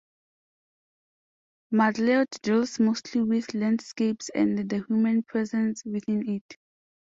Macleod deals mostly with landscapes and the human presence within it.